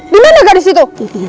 dimana gadis itu